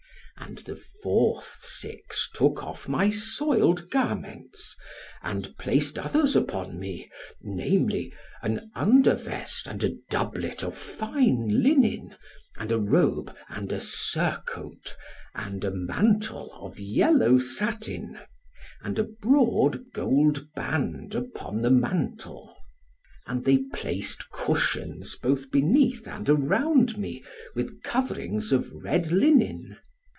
And the fourth six took off my soiled garments, and placed others upon me; namely, an under vest and a doublet of fine linen, and a robe, and a surcoat, and a mantle of yellow satin, and a broad gold band upon the mantle. And they placed cushions both beneath and around me, with coverings of red linen.